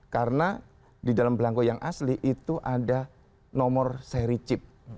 karena di dalam belangku yang asli itu ada nomor seri chip